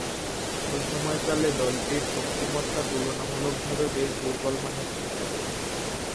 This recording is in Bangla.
ঐ সময়কালে দলটির শক্তিমত্তা তুলনামূলকভাবে বেশ দূর্বলমানের ছিল।